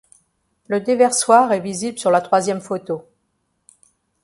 Le déversoir est visible sur la troisième photo.